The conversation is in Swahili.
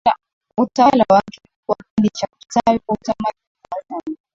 utawala wake ulikuwa kipindi cha kustawi kwa utamaduni na uchumi